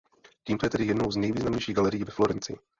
Tímto je tedy jednou z nejvýznamnějších galerií ve Florencii.